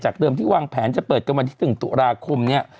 จากเดิมที่วางแผนจะเปิดกันมาที่ถึงตุลาคมเนี่ย